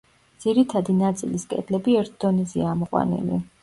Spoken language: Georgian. ძირითადი ნაწილის კედლები ერთ დონეზეა ამოყვანილი.